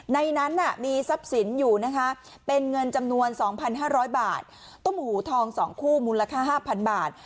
ในนั้นมีทรัพย์สินอยู่นะคะเป็นเงินจำนวน๒๕๐๐บาทต้มหูทอง๒คู่มูลค่า๕๐๐บาท